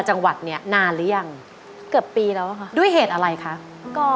จังหวัดเนี้ยนานหรือยังเกือบปีแล้วค่ะด้วยเหตุอะไรคะก็